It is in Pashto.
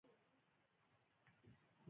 پښتنو خپل تاریخ نه دی لیکلی.